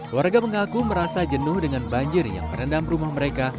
warga mengaku merasa jenuh dengan banjir yang merendam rumah mereka